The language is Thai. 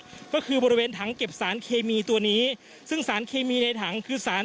ก็คือบริเวณถังเก็บสารเคมีตัวนี้ซึ่งสารเคมีในถังคือสาร